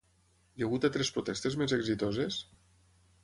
Hi ha hagut altres protestes més exitoses?